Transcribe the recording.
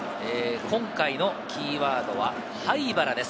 今回のキーワードは「はいばら」です。